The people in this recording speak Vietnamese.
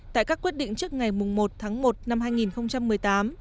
tại các quyết định trước ngày một tháng một năm hai nghìn một mươi tám